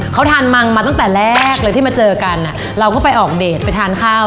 เขาทานมังมาตั้งแต่แรกเลยที่มาเจอกันเราก็ไปออกเดทไปทานข้าว